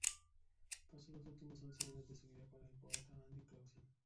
Pasó los últimos once años de su vida con el poeta Andy Clausen.